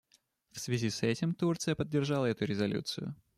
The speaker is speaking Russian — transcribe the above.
В связи с этим Турция поддержала эту резолюцию.